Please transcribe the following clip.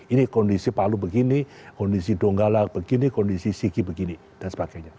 ini kondisi palu begini kondisi donggala begini kondisi sigi begini dan sebagainya